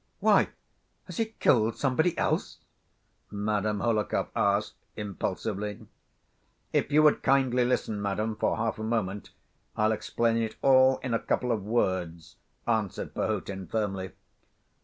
"Why, has he killed somebody else?" Madame Hohlakov asked impulsively. "If you would kindly listen, madam, for half a moment, I'll explain it all in a couple of words," answered Perhotin, firmly.